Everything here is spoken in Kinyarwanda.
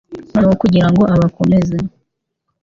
noneho kugira ngo abakomeze,